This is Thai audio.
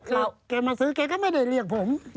ไม่เคยมาซื้อเคยก็ไม่ได้เรียกผม